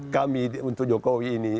kami untuk jokowi ini